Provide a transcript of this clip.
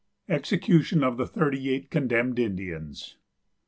EXECUTION OF THE THIRTY EIGHT CONDEMNED INDIANS.